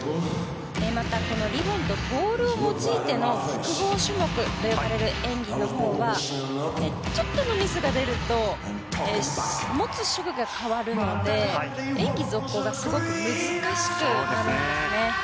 また、このリボンとボールを用いての複合種目と呼ばれる演技のほうはちょっとのミスが出ると持つ手具が変わるので演技続行がすごく難しくなるんですね。